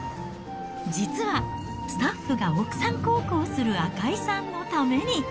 実は、スタッフが奥さん孝行する赤井さんのために。